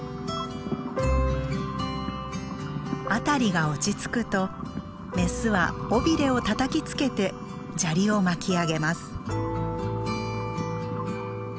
辺りが落ち着くとメスは尾びれをたたきつけて砂利を巻き上げます。